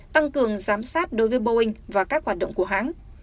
tăng cường giám sát đối với boeing và các hoạt động của hãng